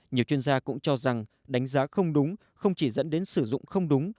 nhiều chuyên gia cũng cho rằng đánh giá không đúng không chỉ dẫn đến sử dụng không đúng